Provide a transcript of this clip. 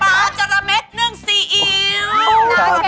ปลาจาระเม็ดนึ่งซีอิ๊ว